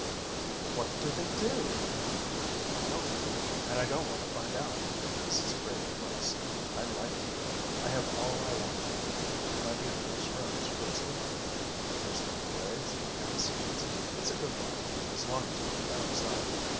"What do they do?" "I don't know and I don't want to find out. This is a great place I like it here. I have all I want to eat, plenty of nice rooms for sleeping. There's the parades and the scenes. It's a good life as long as you keep out of sight."